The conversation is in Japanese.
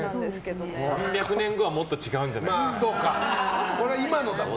３００年後はもっと違うんじゃないかな。